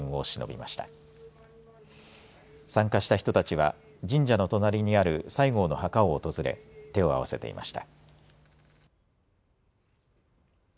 参加した人たちは神社の隣にある西郷の墓を訪れ手を合わせていました。